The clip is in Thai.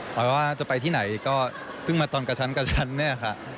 หรือว่าจะไปที่ไหนก็เพิ่งมาตอนกระชั้นนี่ค่ะ